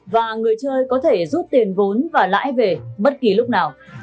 và người chơi có thể rút tiền vốn và lãi về bất kỳ lúc nào